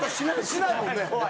しないもんね。